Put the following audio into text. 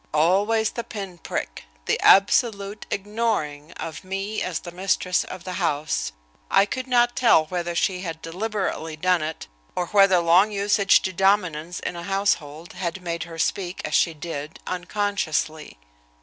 Always the pin prick, the absolute ignoring of me as the mistress of the house. I could not tell whether she had deliberately done it, or whether long usage to dominance in a household had made her speak as she did unconsciously.